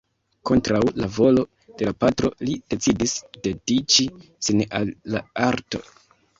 Kontraŭ la volo de la patro, li decidis dediĉi sin al la arto.